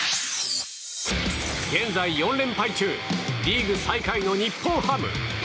現在４連敗中リーグ最下位の日本ハム。